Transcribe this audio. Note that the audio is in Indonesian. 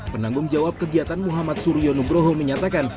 penanggung jawab kegiatan muhammad suryo nugroho menyatakan